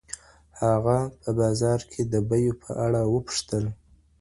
هغه په بازار کي د بیو په اړه وپوښتل.